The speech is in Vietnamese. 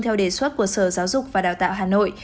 theo đề xuất của sở giáo dục và đào tạo hà nội